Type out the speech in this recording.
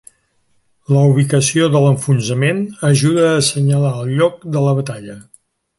La ubicació de l"enfonsament ajuda a senyalar el lloc de la batalla.